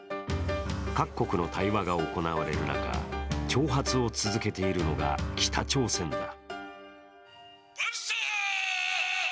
各国の対話が行われる中、挑発を続けているのが北朝鮮だ。